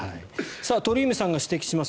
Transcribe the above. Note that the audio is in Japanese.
鳥海さんが指摘します